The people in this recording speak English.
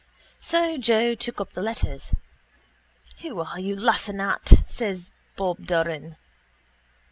So Joe took up the letters. —Who are you laughing at? says Bob Doran.